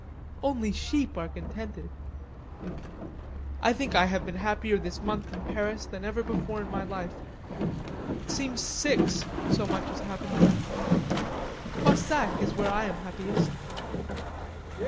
"Only sheep are contented." "I think I have been happier this month in Paris than ever before in my life. It seems six, so much has happened in it." "Poissac is where I am happiest."